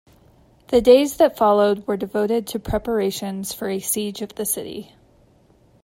The days that followed were devoted to preparations for a siege of the city.